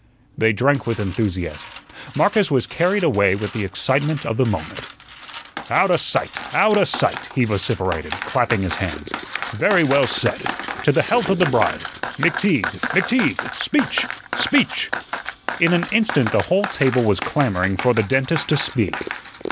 They drank with enthusiasm. Marcus was carried away with the excitement of the moment. "Outa sight, outa sight," he vociferated, clapping his hands. "Very well said. To the health of the bride. McTeague, McTeague, speech, speech!" In an instant the whole table was clamoring for the dentist to speak.